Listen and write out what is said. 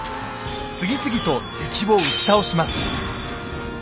次々と敵を打ち倒します。